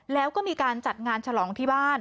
แล้วก็มีการจัดงานฉลองที่บ้าน